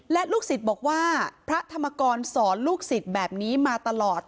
และลูกศิษย์บอกว่าพระธรรมกรสอนลูกศิษย์แบบนี้มาตลอด